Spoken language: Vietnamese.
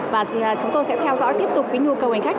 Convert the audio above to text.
và chúng tôi sẽ theo dõi tiếp tục với nhu cầu hành khách